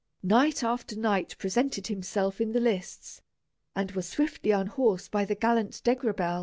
Knight after knight presented himself in the lists, and was swiftly unhorsed by the gallant Degrabell.